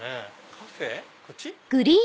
カフェこっち？